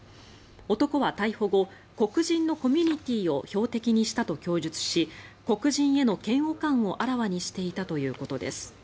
男は逮捕後黒人のコミュニティーを標的にしたと供述し黒人への嫌悪感をあらわにしていたということです。